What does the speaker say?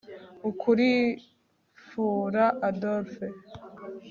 ukulimfura adolphe